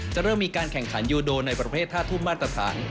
เริ่มมีการแข่งขันยูโดในประเภทท่าทุ่มมาตรสัน